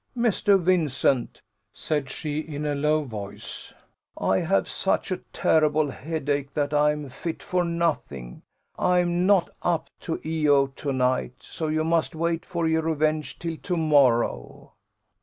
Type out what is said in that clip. "Mr. Vincent," said she, in a low voice, "I have such a terrible headache, that I am fit for nothing I am not up to E O to night, so you must wait for your revenge till to morrow."